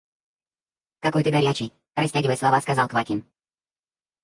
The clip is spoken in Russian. Какой ты горячий! – растягивая слова, сказал Квакин.